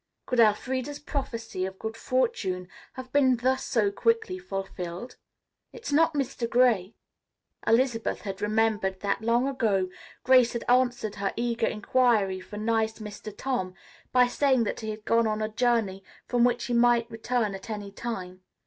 Could Elfreda's prophesy of good fortune have been thus so quickly fulfilled? "It's not Mr. Gray." Elizabeth had remembered that long ago Grace had answered her eager inquiry for "nice Mr. Tom" by saying that he had gone on a journey from which he might return at any time.